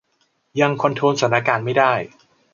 ยังคอนโทรลสถานการณ์ไม่ได้